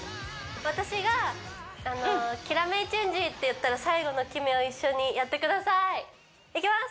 私がキラメイチェンジって言ったら最後の決めを一緒にやってくださいいきます！